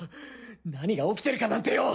何が起きてるかなんてよ！